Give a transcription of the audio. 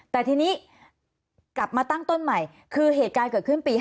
แต่ทีนี้กลับมาตั้งต้นใหม่คือเหตุการณ์เกิดขึ้นปี๕๗